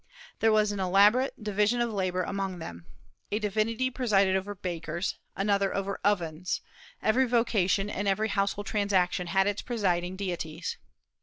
There was an elaborate "division of labor" among them. A divinity presided over bakers, another over ovens, every vocation and every household transaction had its presiding deities.